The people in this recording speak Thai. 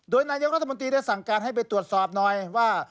โดยนายกรัฐมนตรีได้สั่งการให้ไปตรวจสอบหน่อยว่า